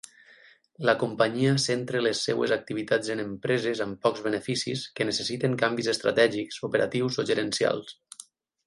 La companyia centre les seves activitats en empreses amb pocs beneficis que necessiten canvis estratègics, operatius o gerencials.